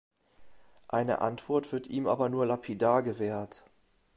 Eine Antwort wird ihm aber nur lapidar gewährt.